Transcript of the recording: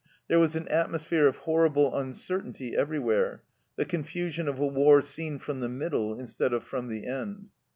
There was an atmosphere of horrible uncertainty everywhere, the confusion of a war seen from the middle instead of from the end.